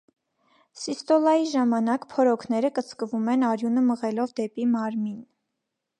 Սիստոլայի ժամանակ փորոքները կծկվում են արյունը մղելով դեպի մարմին։